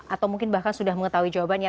atau mungkin bahkan sudah mengetahui jawabannya